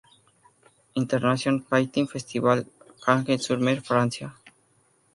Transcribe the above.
International Painting Festival, Cagnes-sur-Mer, France.